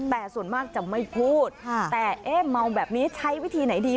แต่ส่วนมากจะไม่พูดแต่เอ๊ะเมาแบบนี้ใช้วิธีไหนดี